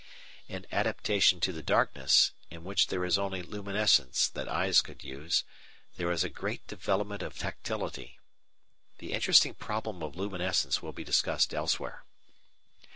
In adaptation to the darkness, in which there is only luminescence that eyes could use, there is a great development of tactility. The interesting problem of luminescence will be discussed elsewhere.